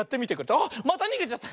あっまたにげちゃった！